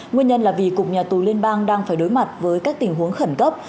nguyên nhân là vì cục nhà tù liên bang đang phải đối mặt với các tình huống khẩn cấp